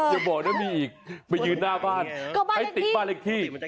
อย่าบอกนะมีอีกไปยืนหน้าบ้านให้ติดบ้านเล็กที่